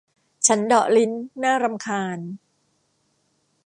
ฉันเดาะลิ้น น่ารำคาญ